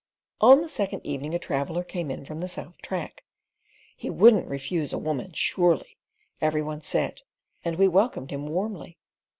On the second evening a traveller came in from the south track. "He wouldn't refuse a woman, surely," every one said, and we welcomed him warmly.